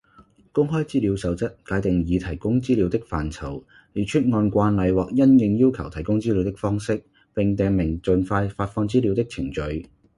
公開資料守則界定擬提供資料的範疇，列出按慣例或因應要求提供資料的方式，並訂明盡快發放資料的程序